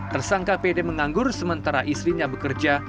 tersangka pd menganggur sementara istrinya bekerja